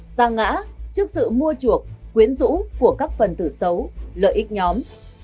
xa ngã trước sự mua chuộc quyến rũ của các phần tử xấu lợi ích nhóm